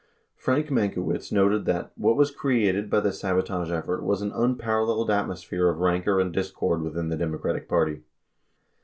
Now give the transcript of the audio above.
87 Frank Mankiewicz noted that "what was created by the sabotage effort was an unparalleled atmosphere of rancor and discord within the Democratic Party."